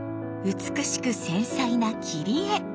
美しく繊細な切り絵！